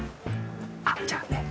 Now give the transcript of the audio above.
あっじゃあね